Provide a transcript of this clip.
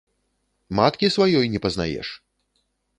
Маткі сваёй не пазнаеш?!